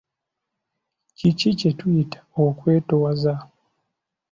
Kiki kye tuyita okwetowaza?